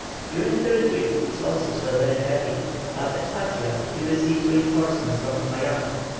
During the retreat his losses were very heavy, but at Patia he received reinforcements from Popayán.